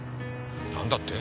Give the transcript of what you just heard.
何だって！？